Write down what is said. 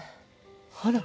あら。